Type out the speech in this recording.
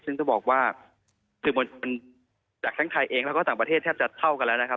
ซึ่งต้องบอกว่าสื่อมวลชนจากทั้งไทยเองแล้วก็ต่างประเทศแทบจะเท่ากันแล้วนะครับ